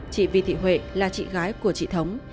chị vi thị huệ là chị gái của chị thống